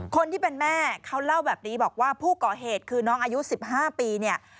คนที่เป็นแม่เขาเล่าแบบนี้บอกว่าผู้ก่อเหตุคือน้องอายุ๑๕ปีเนี่ย